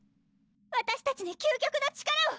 わたしたちに究極の力を！